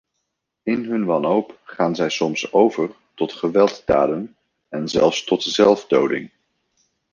In hun wanhoop gaan zij soms over tot gewelddaden en zelfs tot zelfdoding.